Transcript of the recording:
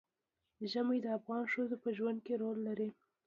ژمی د افغان ښځو په ژوند کې رول لري.